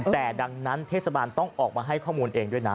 แต่ดังนั้นเทศบาลต้องออกมาให้ข้อมูลเองด้วยนะ